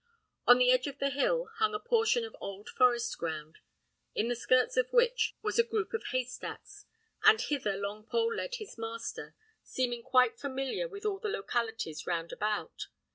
On the edge of the hill hung a portion of old forest ground, in the skirts of which was a group of haystacks; and hither Longpole led his master, seeming quite familiar with all the localities round about.